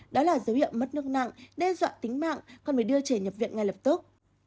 đó là dấu hiệu mất nước nặng đe dọa tính mạng còn phải đưa trẻ nhập viện ngay lập tức